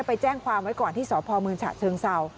ไปแจ้งความไว้ก่อนที่สพเมืองฉะเชิงเศร้า